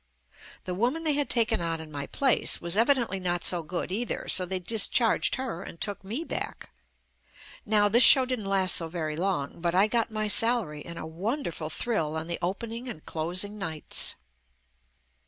The woman they had taken on in my place was evi dently not so good either, so they discharged her and took me back. Now this show didn't last so very long, but I got my salary and a wonderful thrill on the opening and closing nights.